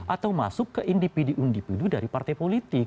atau masuk ke individu individu dari partai politik